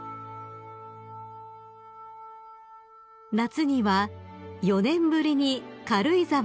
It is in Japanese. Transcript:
［夏には４年ぶりに軽井沢で静養され］